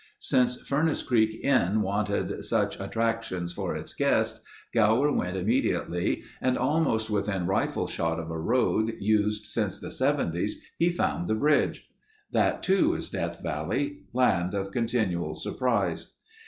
Since Furnace Creek Inn wanted such attractions for its guests, Gower went immediately and almost within rifle shot of a road used since the Seventies, he found the bridge. That too is Death Valley—land of continual surprise.